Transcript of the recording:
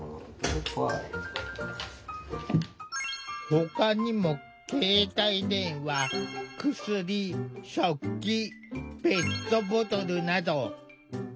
ほかにも携帯電話薬食器ペットボトルなど。